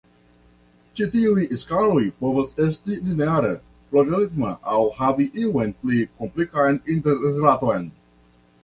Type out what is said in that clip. Ĉi tiuj skaloj povas esti lineara, logaritma aŭ havi iun pli komplikan interrilaton.